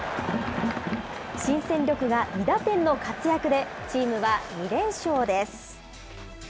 新戦力が２打点の活躍で、チームは２連勝です。